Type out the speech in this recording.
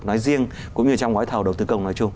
nói riêng cũng như trong gói thầu đầu tư công nói chung